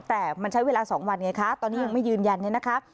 แต่มันใช้เวลา๒วันไงคะตอนนี้ยังไม่ยืนยันเนี่ยนะคะ